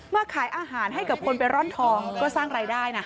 มาขายอาหารให้กับคนไปร่อนทองก็สร้างรายได้นะ